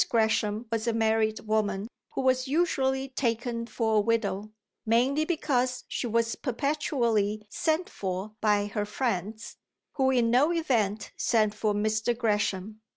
Gresham was a married woman who was usually taken for a widow, mainly because she was perpetually "sent for" by her friends, who in no event sent for Mr. Gresham.